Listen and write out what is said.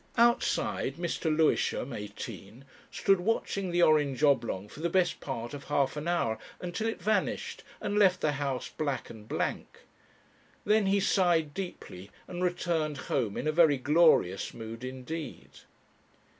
Outside, Mr. Lewisham (eighteen) stood watching the orange oblong for the best part of half an hour, until it vanished and left the house black and blank. Then he sighed deeply and returned home in a very glorious mood indeed.